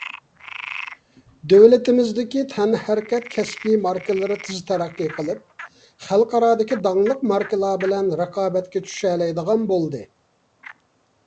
دۆلىتىمىزدىكى تەنھەرىكەت كەسىپ ماركىلىرى تېز تەرەققىي قىلىپ، خەلقئارادىكى داڭلىق ماركىلار بىلەن رىقابەتكە چۈشەلەيدىغان بولدى.